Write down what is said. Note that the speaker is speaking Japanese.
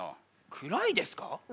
暗いですか？